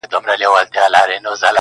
دا مېله کونکي د یوې سیمې ندي